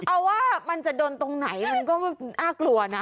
เอาว่ามันจะโดนตรงไหนมันก็น่ากลัวนะ